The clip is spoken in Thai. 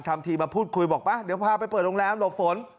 ทำทีมาพูดคุยบอกป่ะเดี๋ยวพาไปเปิดโรงแรมหลบฝน